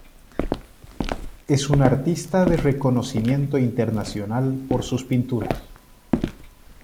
Es un artista de reconocimiento internacional por sus pinturas.